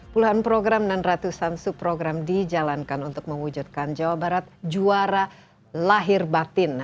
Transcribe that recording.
puluhan program dan ratusan subrogram dijalankan untuk mewujudkan jawa barat juara lahir batin